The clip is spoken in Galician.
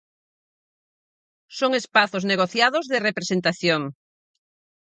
Son espazos negociados de representación.